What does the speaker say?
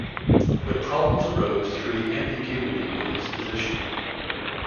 But problems arose through the ambiguity of his position.